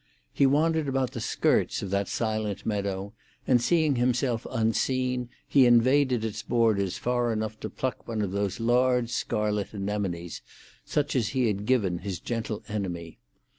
He wandered about the skirts of that silent meadow, and seeing himself unseen, he invaded its borders far enough to pluck one of those large scarlet anemones, such as he had given his gentle enemy.